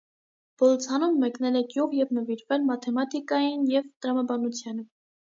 Բոլցանոն մեկնել է գյուղ և նվիրվել մաթեմատիկային և տրամաբանությանը։